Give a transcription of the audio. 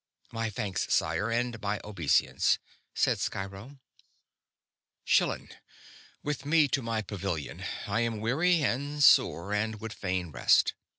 "My thanks, sire, and my obeisance," said Sciro. "Schillan, with me to my pavilion. I am weary and sore, and would fain rest."